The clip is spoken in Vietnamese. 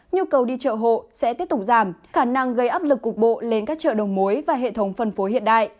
nhu cầu đi chợ hộ sẽ tiếp tục giảm khả năng gây áp lực cục bộ lên các chợ đầu mối và hệ thống phân phối hiện đại